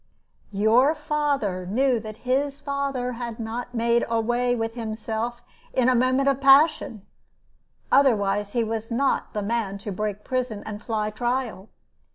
Your father knew that his father had not made away with himself in a moment of passion, otherwise he was not the man to break prison and fly trial.